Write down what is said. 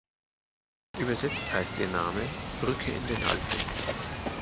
Übersetzt heißt ihr Name „Brücke in den Alpen“.